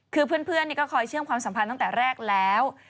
คือเพื่อนก็คอยเชื่อมความสัมพันธ์ตั้งแต่แรกแล้ว